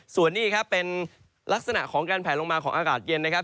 ส่วนนี้ครับเป็นลักษณะของการแผลลงมาของอากาศเย็นนะครับ